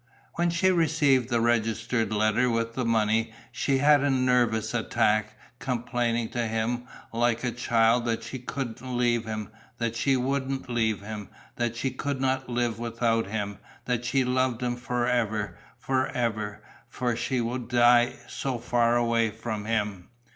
When she received the registered letter with the money, she had a nervous attack, complaining to him like a child that she couldn't leave him, that she wouldn't leave him, that she could not live without him, that she loved him for ever, for ever, that she would die, so far away from him.